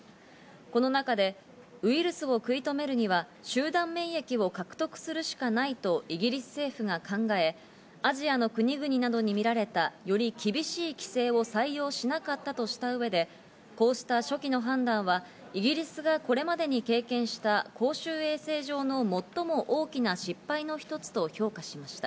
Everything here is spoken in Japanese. この中で、ウイルスを食い止めるには、集団免疫を獲得するしかないとイギリス政府が考え、アジアの国々などに見られたより厳しい規制を採用しなかったとした上でこうした初期の判断はイギリスがこれまでに経験した公衆衛生上の最も大きな失敗の一つと評価しました。